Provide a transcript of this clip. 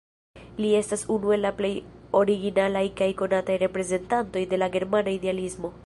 Li estas unu el la plej originalaj kaj konataj reprezentantoj de la germana idealismo.